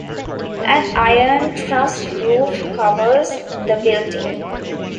An iron truss roof covers the building.